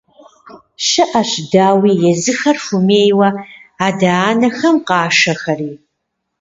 ЩыӀэщ, дауи, езыхэр хуэмейуэ адэ-анэхэм къашэхэри.